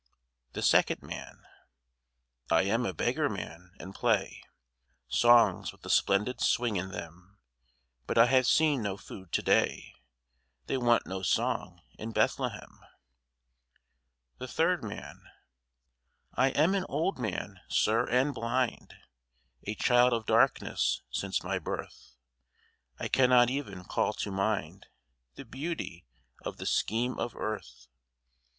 THE SECOND MAN I am a beggar man, and play Songs with a splendid swing in them, But I have seen no food to day. They want no song in Bethlehem. THE THIRD MAN I am an old man, Sir, and blind, A child of darkness since my birth. I cannot even call to mind The beauty of the scheme of earth.